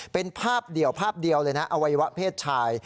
เป็นภาพเดี่ยวภาพเดียวเลยนะอวัยวะเพศชาย